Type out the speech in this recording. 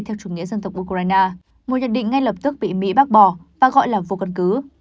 theo chủ nghĩa dân tộc ukraine một nhận định ngay lập tức bị mỹ bác bỏ và gọi là vô căn cứ